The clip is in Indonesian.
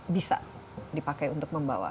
bisa dipakai untuk membawa